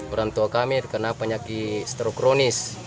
orang tua kami terkena penyakit strok kronis